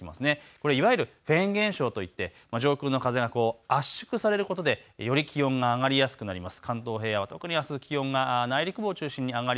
これはいわゆるフェーン現象といって上空の風が圧縮されることでより気温が上がりやすくなります。